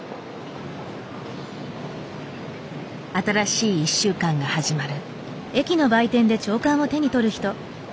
新しい１週間が始まる。